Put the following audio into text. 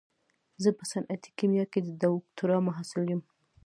زه په صنعتي کيميا کې د دوکتورا محصل يم.